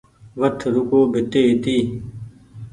وٺ رگون ڀيٽي هيتي